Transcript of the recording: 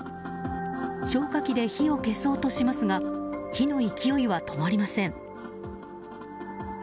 消火器で火を消そうとしますが火の勢いは止まりません。